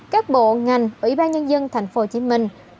các bộ ngành ủy ban nhân dân tp hcm